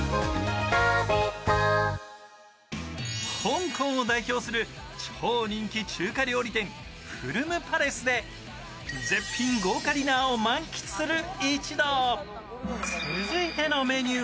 香港を代表する超人気中華料理店フルムパレスで絶品豪華ディナーを満喫する一同。